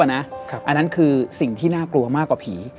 อันนั้นคือสิ่งที่น่ากลัวมากกว่าผี